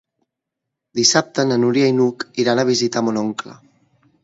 Dissabte na Núria i n'Hug iran a visitar mon oncle.